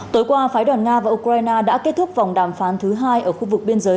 tối qua phái đoàn nga và ukraine đã kết thúc vòng đàm phán thứ hai ở khu vực biên giới